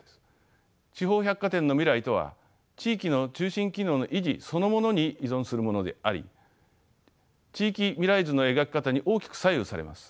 地方百貨店の未来とは地域の中心機能の維持そのものに依存するものであり地域未来図の描き方に大きく左右されます。